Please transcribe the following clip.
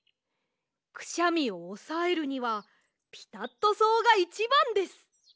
くしゃみをおさえるにはピタットそうがいちばんです。